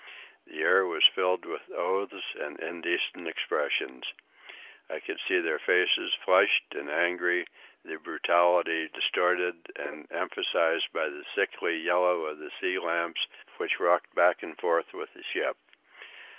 The air was filled with oaths and indecent expressions. I could see their faces, flushed and angry, the brutality distorted and emphasized by the sickly yellow of the sea lamps which rocked back and forth with the ship.